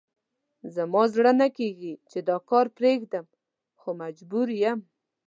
زما زړه نه کېږي چې دا کار پرېږدم، خو مجبور یم.